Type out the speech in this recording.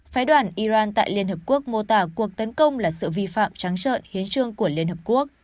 phái đoàn iran tại liên hợp quốc mô tả cuộc tấn công là sự vi phạm trắng trợn hiến trương của liên hợp quốc